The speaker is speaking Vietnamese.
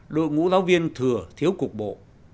đội ngũ giáo viên thừa thiếu cục bộ